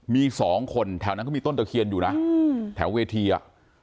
มีสองคนแถวนั้นก็มีต้นตะเคียนอยู่นะแถวเวทีอ่ะ